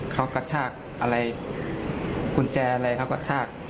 เขากระชากอะไรกุญแจอะไรเขากระชาก